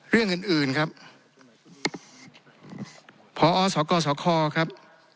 เรื่องอื่นอื่นครับพอสกสคครับ